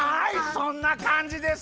そんなかんじです。